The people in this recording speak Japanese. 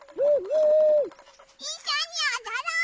いっしょにおどろう！